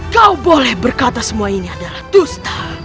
kau boleh berkata semua ini adalah tusta